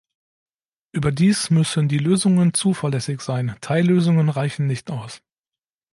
Überdies müssen die Lösungen zuverlässig sein, Teillösungen reichen nicht aus.